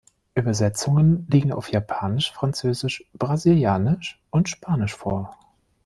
Übersetzungen liegen auf Japanisch, Französisch, Brasilianisch und Spanisch vor.